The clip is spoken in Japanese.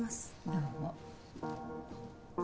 どうも。